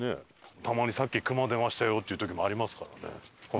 たまに「さっき熊出ましたよ」っていう時もありますからね。